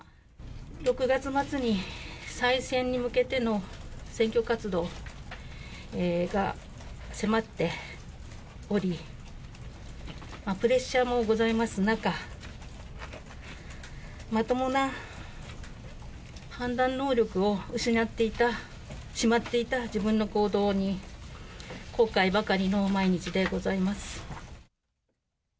６月末に再選に向けての選挙活動が迫っており、プレッシャーもございます中、まともな判断能力を失ってしまっていた自分の行動に、後悔ばかりの毎日でございます。